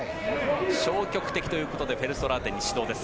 消極的ということでフェルストラーテンに指導です。